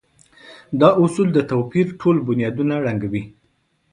دا اصول د توپير ټول بنيادونه ړنګوي.